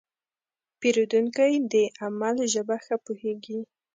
پیرودونکی د عمل ژبه ښه پوهېږي.